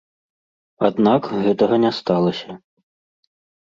Аднак, гэтага не сталася.